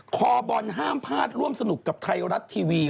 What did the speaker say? คอบอลห้ามพลาดร่วมสนุกกับไทยรัฐทีวี